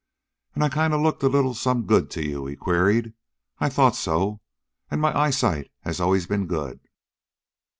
"An' I kinda looked a little some good to you?" he queried. "I thought so, and my eyesight has always been good."